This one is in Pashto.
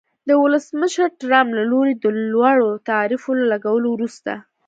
د ولسمشر ټرمپ له لوري د لوړو تعرفو له لګولو وروسته